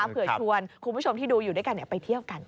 เผื่อชวนคุณผู้ชมที่ดูอยู่ด้วยกันไปเที่ยวกัน